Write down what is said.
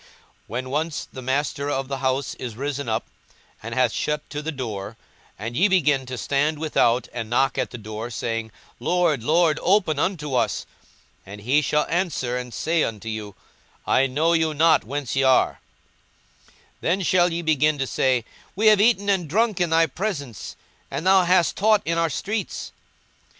42:013:025 When once the master of the house is risen up, and hath shut to the door, and ye begin to stand without, and to knock at the door, saying, Lord, Lord, open unto us; and he shall answer and say unto you, I know you not whence ye are: 42:013:026 Then shall ye begin to say, We have eaten and drunk in thy presence, and thou hast taught in our streets.